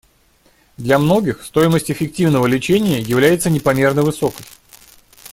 Для многих стоимость эффективного лечения является непомерно высокой.